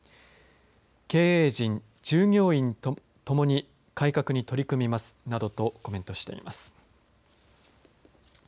経営陣、従業員と共に改革に取り組みますなどとコメントしています。